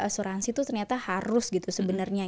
asuransi itu ternyata harus gitu sebenarnya